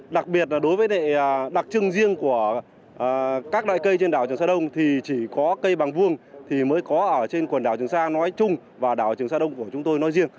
đặc biệt là đối với đặc trưng riêng của các loại cây trên đảo trường sa đông thì chỉ có cây bằng vuông thì mới có ở trên quần đảo trường sa nói chung và đảo trường sa đông của chúng tôi nói riêng